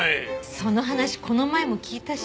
その話この前も聞いたし。